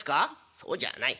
「そうじゃない。